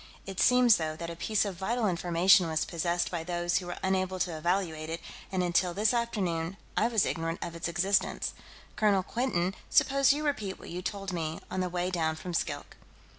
"It seems, though, that a piece of vital information was possessed by those who were unable to evaluate it, and until this afternoon, I was ignorant of its existence. Colonel Quinton, suppose you repeat what you told me, on the way down from Skilk."